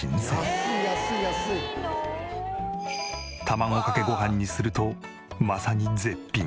卵かけご飯にするとまさに絶品。